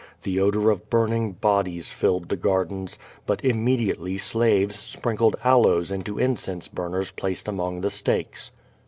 The odor of burning bodies filled the gardens, but immediately slaves sprinkled aloes into incense burners placed among the stakes.